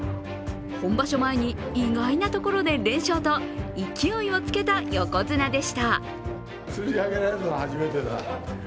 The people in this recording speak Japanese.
本場所前に意外なところで連勝と、勢いをつけた横綱でした。